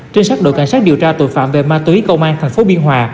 trinh sát đội cảnh sát điều tra tội phạm về ma túy công an tp biên hòa